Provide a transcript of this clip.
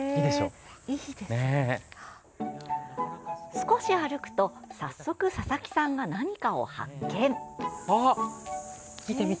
少し歩くと早速、佐々木さんが何かを発見！